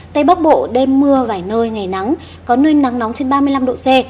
tây bắc bộ đêm mưa vài nơi ngày nắng có nơi nắng nóng trên ba mươi năm độ c